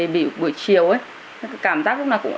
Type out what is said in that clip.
buổi chiều ấy cảm giác lúc nào cũng